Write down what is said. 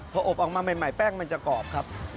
พออบออกมาใหม่แป้งมันจะกรอบครับ